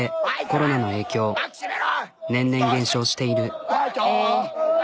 コロナの影響年々減少してる。